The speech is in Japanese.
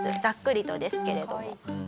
ざっくりとですけれども。